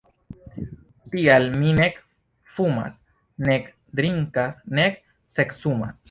Tial mi nek fumas nek drinkas nek seksumas!